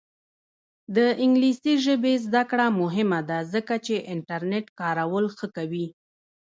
د انګلیسي ژبې زده کړه مهمه ده ځکه چې انټرنیټ کارول ښه کوي.